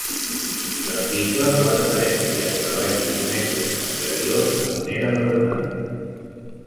L'article fa referència a treballs biomètrics anteriors de manera raonable.